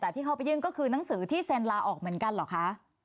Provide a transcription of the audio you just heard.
แต่ที่เขาไปยื่นก็คือหนังสือที่เซ็นลาออกเหมือนกันเหรอคะ